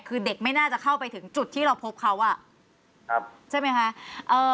คือเด็กไม่น่าจะเข้าไปถึงจุดที่เราพบเขาอ่ะครับใช่ไหมคะ